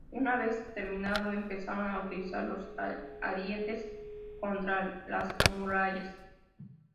Una vez terminado, empezaron a utilizar los arietes contra las murallas.